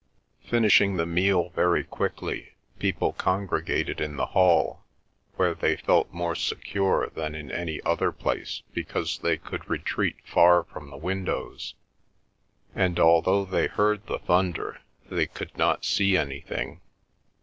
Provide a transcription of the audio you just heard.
Finishing the meal very quickly, people congregated in the hall, where they felt more secure than in any other place because they could retreat far from the windows, and although they heard the thunder, they could not see anything.